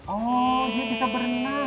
oh dia bisa berenang